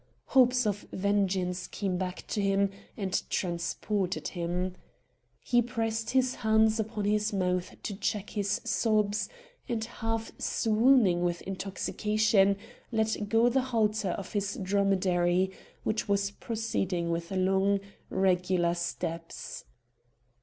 Hopes of vengeance came back to him and transported him. He pressed his hand upon his mouth to check his sobs, and half swooning with intoxication, let go the halter of his dromedary, which was proceeding with long, regular steps.